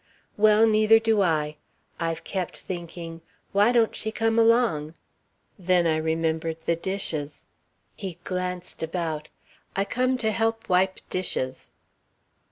"Well, neither do I. I've kept thinking, 'Why don't she come along.' Then I remembered the dishes." He glanced about. "I come to help wipe dishes."